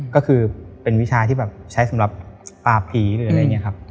ก็คือเป็นวิชาที่แบบใช้สำหรับปราบผีหรืออะไรอย่างนี้ครับ